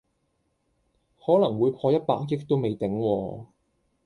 可能會破一百億都未頂喎